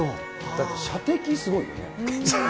だって射的、すごいよね。